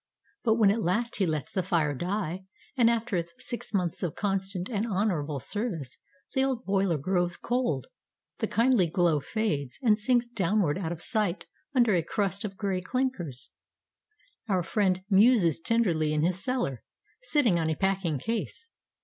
But when at last he lets the fire die, and after its six months of constant and honourable service the old boiler grows cold, the kindly glow fades and sinks downward out of sight under a crust of gray clinkers, our friend muses tenderly in his cellar, sitting on a packing case.